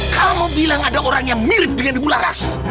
kamu bilang ada orang yang mirip dengan ibu laras